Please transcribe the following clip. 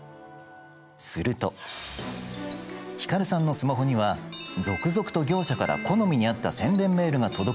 すると光さんのスマホには続々と業者から好みに合った宣伝メールが届くようになりました。